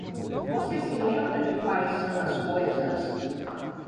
Você se lembra de quais são as coisas?